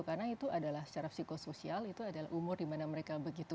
karena itu adalah secara psikosoial itu adalah umur dimana mereka begitu